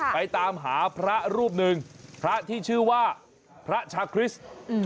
ไปตามหาพระรูปหนึ่งพระที่ชื่อว่าพระชาคริสต์